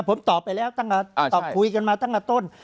ผมตอบไปแล้วตั้งแต่ตอบคุยกันมาตั้งแต่ต้น